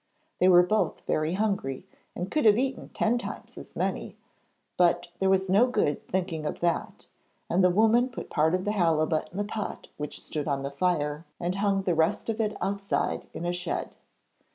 They were both very hungry and could have eaten ten times as many, but there was no good thinking of that, and the woman put part of the halibut in the pot which stood on the fire, and hung the rest of it outside in a shed.